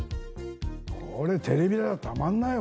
これテレビ台はたまんないよ